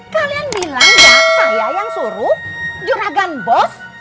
kalian bilang saya yang suruh juragan bos